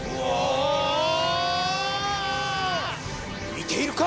見ているか！